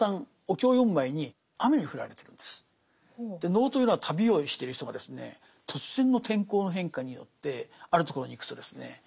能というのは旅をしてる人がですね突然の天候の変化によってあるところに行くとですね